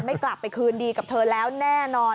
กลับไปคืนดีกับเธอแล้วแน่นอน